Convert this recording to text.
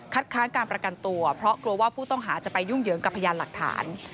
ค้านการประกันตัวเพราะกลัวว่าผู้ต้องหาจะไปยุ่งเหยิงกับพยานหลักฐาน